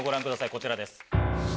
こちらです。